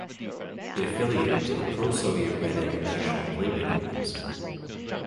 It affiliated to the pro-Soviet Red International of Labour Unions.